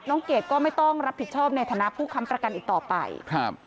เกดก็ไม่ต้องรับผิดชอบในฐานะผู้ค้ำประกันอีกต่อไปครับ